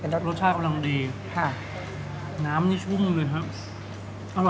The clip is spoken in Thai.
รสชาติกำลังดีน้ำนี่ชุ่มเลยครับ